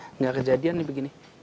tidak kejadian begini